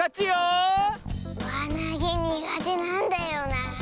わなげにがてなんだよなあ。